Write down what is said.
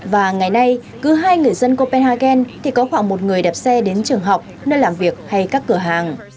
và ngày nay cứ hai người dân copenhagen thì có khoảng một người đạp xe đến trường học nơi làm việc hay các cửa hàng